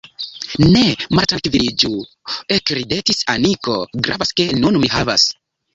Ne maltrankviliĝu – ekridetis Aniko – Gravas, ke nun mi havas.